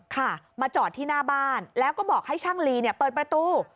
ค่ะมาจอดที่หน้าบ้านแล้วก็บอกให้ช่างลีเปิดประตู